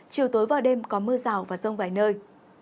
chiều tối và đêm có mưa rào và rông vài nơi